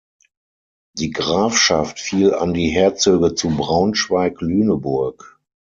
Die Grafschaft fiel an die Herzöge zu Braunschweig Lüneburg.